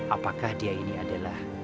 apakah dia ini adalah